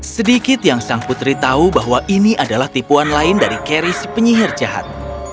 sedikit yang sang putri tahu bahwa ini adalah tipuan lain dari carry si penyihir jahat